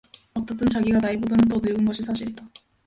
어떻든 자기가 나이보다는 더 늙은 것이 사실이다.